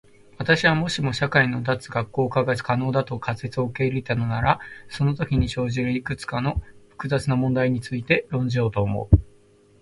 私は、もしも社会の脱学校化が可能だという仮説を受け入れたならそのときに生じるいくつかの複雑な問題について論じようと思う。